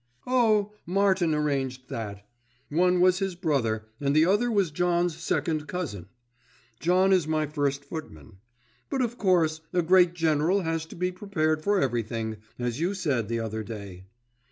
"Oh! Martin arranged that. One was his brother, and the other was John's second cousin. John is my first footman. But, of course, a great general has to be prepared for everything, as you said the other day."